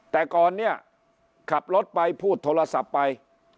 แต่ก่อนเนี่ยขับรถไปพูดโทรศัพท์ไป